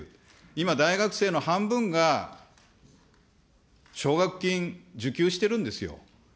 今、大学生の半分が奨学金受給してるんですよ。